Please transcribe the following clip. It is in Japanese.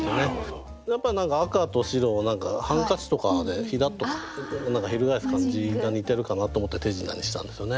やっぱ赤と白をハンカチとかでひらっと翻す感じが似てるかなと思って「手品」にしたんですよね。